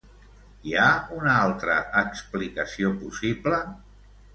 Hi ha una altra explicació possible?